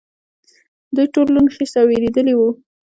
دوی ټول لوند، خېشت او وېرېدلي و.